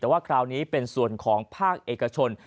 แต่ว่าคราวนี้เป็นส่วนของภาคเอกชน